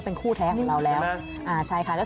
เรื่องของโชคลาบนะคะ